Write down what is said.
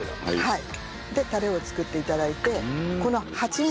はい。